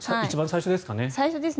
一番最初ですかね。